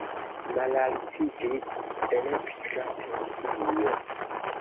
Malaltiĝis elektra tensio.